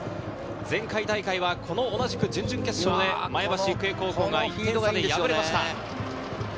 前回大会は、この同じく準々決勝で前橋育英高校が１点差で敗れました。